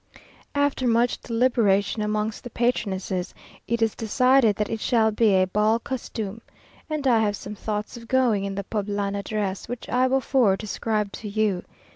After much deliberation amongst the patronesses, it is decided that it shall be a bal costumé, and I have some thoughts of going in the Poblana dress, which I before described to you.